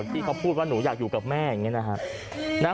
ที่เขาพูดว่าหนูอยากอยู่กับแม่อย่างนี้นะครับ